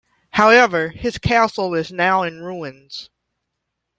However his Castle is now in ruins.